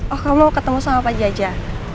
oh kamu mau ketemu sama panjaja